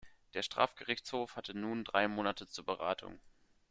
Der Strafgerichtshof hatte nun drei Monate zur Beratung.